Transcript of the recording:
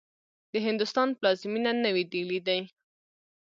د هندوستان پلازمېنه نوې ډيلې دې.